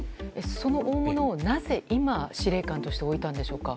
その大物をなぜ今司令官として置いたんでしょうか。